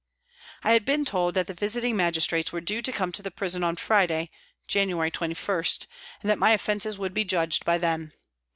I had been told that the Visiting Magistrates were due to come to the prison on Friday (January 21), and that my offences would be judged by them.